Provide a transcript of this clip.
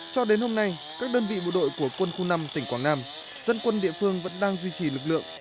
cho đến hôm nay các đơn vị bộ đội của quân khu năm tỉnh quảng nam dân quân địa phương vẫn đang duy trì lực lượng